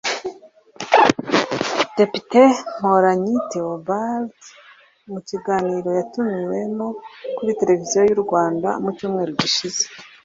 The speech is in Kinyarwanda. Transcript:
Depite Mporanyi Theobald mu kiganiro yatumiwemo kuri televiziyo y’ u Rwanda mu cyumweru gishize